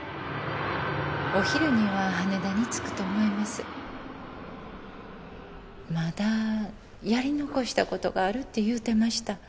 お昼には羽田に着くと思います・まだやり残したことがあるって言うてました